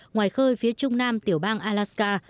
ngoài khơi phía trung nam tiểu bang alaska